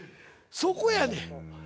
そこやねん。